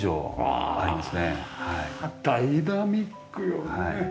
あダイナミックよね。